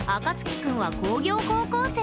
君は工業高校生。